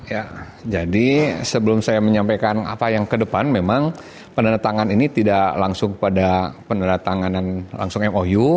ya jadi sebelum saya menyampaikan apa yang ke depan memang penerapanan ini tidak langsung pada penerapanan langsung mou